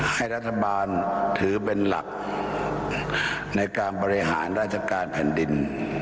ให้รัฐบาลถือเป็นหลักในการบริหารราชการแผ่นดิน